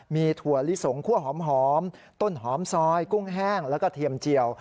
มีถั่วลิสงคั่วหอมต้นหอมซอยกุ้งแห้งแล้วก็เทียมเจียว